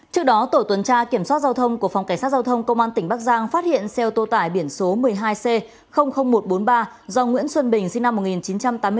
trước đó tổ tuần tra kiểm soát giao thông của phòng cảnh sát giao thông công an tỉnh bắc giang phát hiện xe ô tô tải biển số một mươi hai c một trăm bốn mươi ba do nguyễn xuân bình sinh năm một nghìn chín trăm tám mươi tám